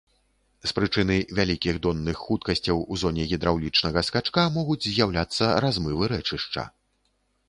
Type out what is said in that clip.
З прычыны вялікіх донных хуткасцяў у зоне гідраўлічнага скачка могуць з'яўляцца размывы рэчышча.